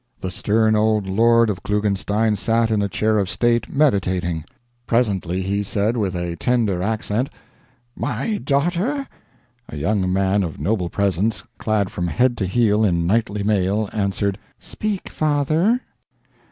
The stern old lord of Klugenstein sat in a chair of state meditating. Presently he said, with a tender accent: "My daughter!" A young man of noble presence, clad from head to heel in knightly mail, answered: "Speak, father!"